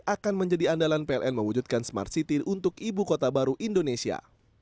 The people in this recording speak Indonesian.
akan menjadi andalan pln mewujudkan smart city untuk ibu kota baru indonesia